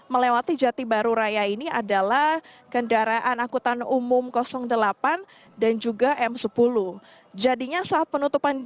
melewati jati baru raya ini adalah kendaraan angkutan umum delapan dan juga m sepuluh jadinya saat penutupan